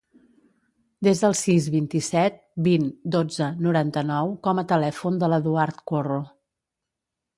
Desa el sis, vint-i-set, vint, dotze, noranta-nou com a telèfon de l'Eduard Corro.